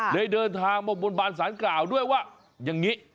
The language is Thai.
เดินทางมาบนบานสารกล่าวด้วยว่าอย่างนี้